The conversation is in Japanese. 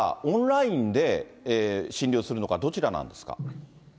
オンラインで診療するのかどちらなんですか。